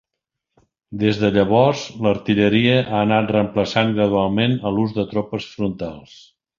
Des de llavors, l'artilleria ha anat reemplaçant gradualment a l'ús de tropes frontals.